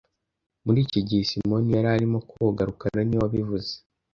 Muri icyo gihe, Simoni yari arimo koga rukara niwe wabivuze